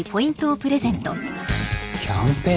キャンペーン？